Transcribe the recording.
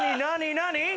何？